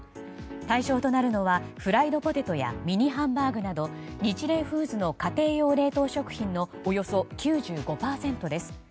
対象となるのはフライドポテトやミニハンバーグなどニチレイフーズの家庭用冷凍食品のおよそ９５％です。